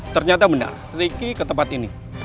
ternyata menarik ke tempat ini